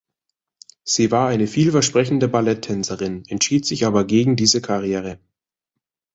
Sie war eine vielversprechende Balletttänzerin, entschied sich aber gegen diese Karriere.